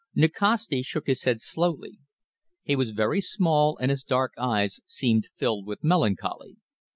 Nikasti shook his head slowly. He was very small, and his dark eyes seemed filled with melancholy.